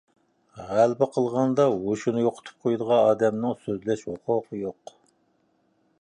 غەلىبە قىلغاندا ھوشىنى يوقىتىپ قويىدىغان ئادەمنىڭ سۆزلەش ھوقۇقى يوق!